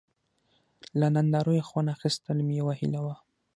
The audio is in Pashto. له نندارو یې خوند اخیستل مې یوه هیله وه.